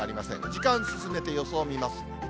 時間進めて予想を見ます。